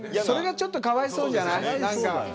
それが、ちょっとかわいそうじゃない。